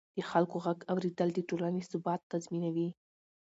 د خلکو غږ اورېدل د ټولنې ثبات تضمینوي